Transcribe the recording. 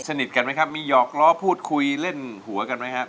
สนิทกันไหมครับมีหยอกล้อพูดคุยเล่นหัวกันไหมครับ